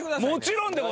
もちろん。